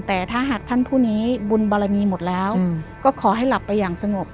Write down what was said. แต่ถ้าหากท่านผู้นี้บุญบารมีหมดแล้วก็ขอให้หลับไปอย่างสงบ